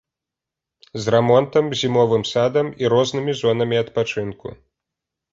З рамонтам, зімовым садам і рознымі зонамі адпачынку.